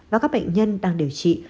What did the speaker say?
và các bệnh nhân đang điều trị